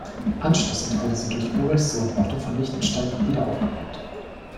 Anschließend wurde sie durch Ulrichs Sohn Otto von Liechtenstein wieder aufgebaut.